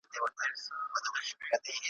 هم شیرین، هم وېروونکی، لړزوونکی `